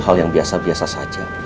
hal yang biasa biasa saja